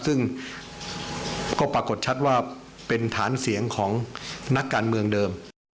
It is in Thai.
ซึ่งก็ปรากฏชัดว่าเป็นฐานเสียงของนักการเมืองเดิม